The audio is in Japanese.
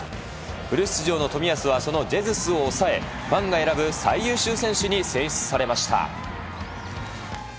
フル出場の冨安はそのゼズスを抑え、ファンが選ぶ最優秀選手に選出されました。